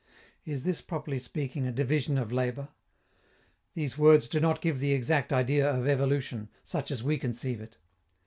Is this, properly speaking, a "division of labor"? These words do not give the exact idea of evolution, such as we conceive it.